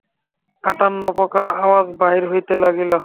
আটান্ন প্রকার আওয়াজ বাহির হইতে লাগিল।